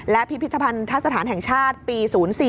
และพิพิธภัณฑสถานแห่งชาติปี๐๔